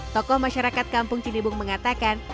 tokoh masyarakat kampung cinebung mengatakan